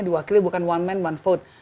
diwakili bukan one man one vote